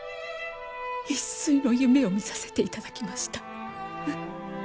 一炊の夢を見させて頂きました。